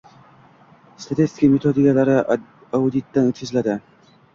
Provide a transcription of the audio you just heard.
Statistika metodologiyalari auditdan o‘tkaziladi